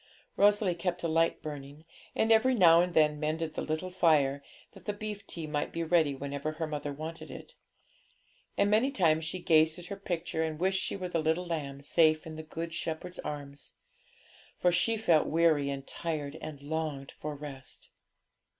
Rosalie kept a light burning, and every now and then mended the little fire, that the beef tea might be ready whenever her mother wanted it. And many times she gazed at her picture, and wished she were the little lamb safe in the Good Shepherd's arms. For she felt weary and tired, and longed for rest.